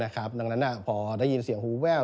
ดังนั้นพอได้ยินเสียงหูแว่ว